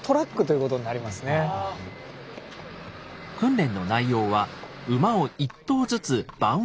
訓練の内容は馬を一頭ずつ馬運